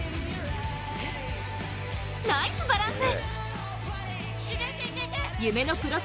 ナイスバランス！